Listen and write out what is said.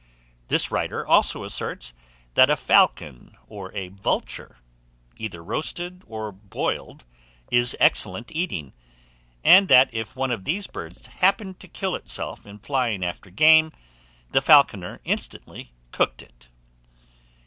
This writer also asserts, that a falcon or a vulture, either roasted or boiled, is excellent eating; and that if one of these birds happened to kill itself in flying after game, the falconer instantly cooked it.